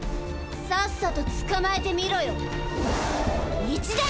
さっさと捕まえてみろよ一年！